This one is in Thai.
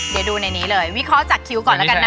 เดี๋ยวดูในนี้เลยวิเคราะห์จากคิวก่อนแล้วกันนะ